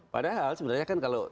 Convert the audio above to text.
padahal sebenarnya kan kalau